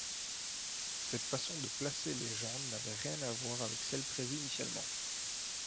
Cette façon de placer les gens n'avait rien à voir avec celle prévue initialement.